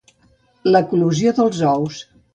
L'eclosió dels ous